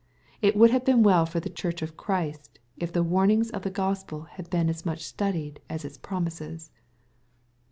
It would have been well for the church of Christ, it* the warnings of the Gospel had been as much studied as its promises.